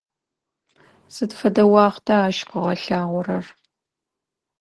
Сыд фэдэ уахъта ащ къыгъэлъагъорэр?